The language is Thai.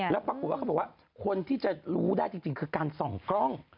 แล้วปรากฏว่าเขาบอกว่าคนที่จะรู้ได้จริงคือการส่องกล้อง